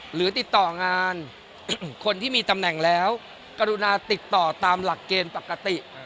หรือติดต่องานคนที่มีตำแหน่งแล้วกรุณาติดต่อตามหลักเกณฑ์ปกติ